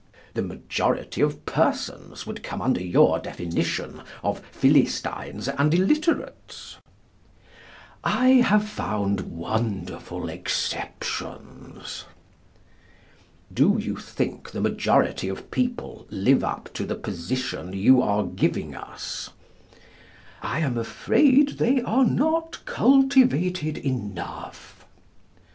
The majority of persons would come under your definition of Philistines and illiterates? I have found wonderful exceptions. Do you think the majority of people live up to the position you are giving us? I am afraid they are not cultivated enough.